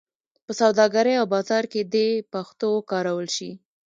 په سوداګرۍ او بازار کې دې پښتو وکارول شي.